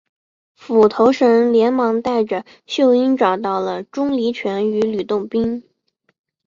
斧头神连忙带着秀英找到了钟离权与吕洞宾。